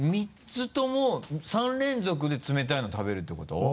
３つとも３連続で冷たいの食べるってこと？